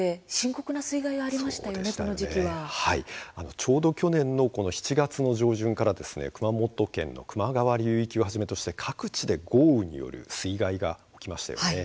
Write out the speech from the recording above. ちょうど去年の７月の上旬から熊本県の球磨川流域をはじめとした各地で豪雨による水害が起きましたよね。